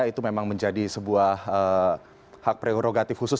itu memang menjadi sebuah hak prerogatif khusus